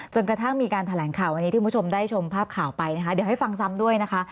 กระทั่งมีการแถลงข่าววันนี้ที่คุณผู้ชมได้ชมภาพข่าวไปนะคะเดี๋ยวให้ฟังซ้ำด้วยนะคะ